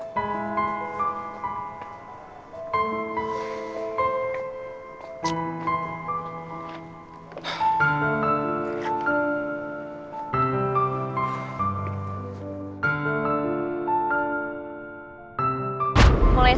saya dirapuin dia tadi phi